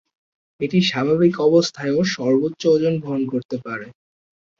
এটি স্বাভাবিক অবস্থায় ও সর্বোচ্চ ওজন বহন করতে পারে।